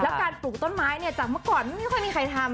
แล้วการปลูกต้นไม้เนี่ยจากเมื่อก่อนไม่ค่อยมีใครทำ